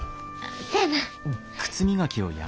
せやな。